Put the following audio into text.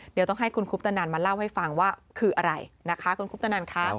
เดี๋ยวต้องให้คุณคุปตนันมาเล่าให้ฟังว่าคืออะไรนะคะคุณคุปตนันค่ะ